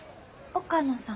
岡野さん。